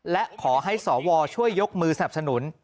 และขอให้สวช่วยยกมือสนับสนุน